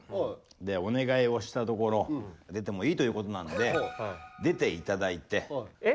でお願いをしたところ出てもいいということなんで出て頂いて。